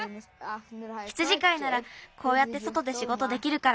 羊飼いならこうやってそとでしごとできるから。